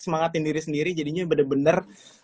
semangatin diri sendiri jadinya bener bener